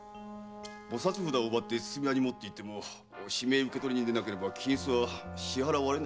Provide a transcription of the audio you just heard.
菩薩札を奪って筒見屋に持っていっても指名受取人でなければ金子は支払われない仕組み。